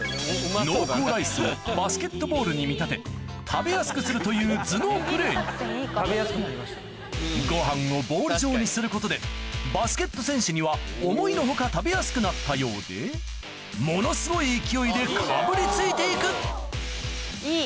濃厚ライスをバスケットボールに見立て食べやすくするという頭脳プレーご飯をボール状にすることでバスケット選手には思いの外食べやすくなったようでものすごい勢いでかぶりついて行くいい。